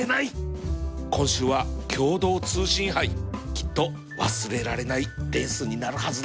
今週は共同通信杯きっと忘れられないレースになるはずだ